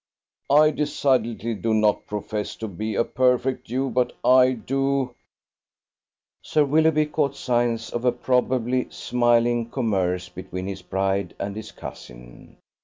I decidedly do not profess to be a perfect Jew, but I do ..." Sir Willoughby caught signs of a probably smiling commerce between his bride and his cousin.